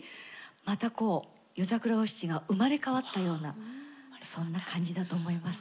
またこう「夜桜お七」が生まれ変わったようなそんな感じだと思います。